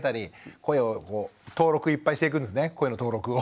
声の登録を。